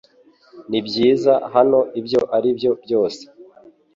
Nibyiza hano ibyo ari byo byose